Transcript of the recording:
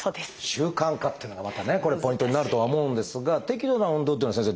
習慣化っていうのがまたねこれポイントになるとは思うんですが適度な運動というのは先生